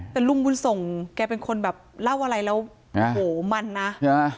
แต่ลุงบุญส่งแกเป็นคนแบบเล่าอะไรแล้วโอ้โหมันนะใช่ไหม